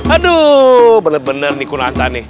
aduh bener bener nih kuna kana nih